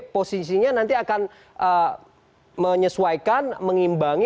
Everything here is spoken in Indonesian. posisinya nanti akan menyesuaikan mengimbangi